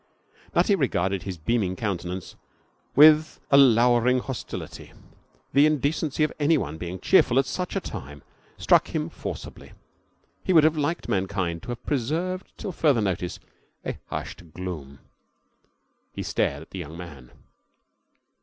Nutty regarded his beaming countenance with a lowering hostility. The indecency of anyone being cheerful at such a time struck him forcibly. He would have liked mankind to have preserved till further notice a hushed gloom. He glared at the young man.